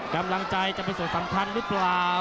กำลังใจจะเป็นส่วนสำคัญหรือเปล่า